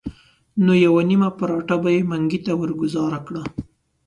نو یوه نیمه پراټه به یې منګي ته ورګوزاره کړه.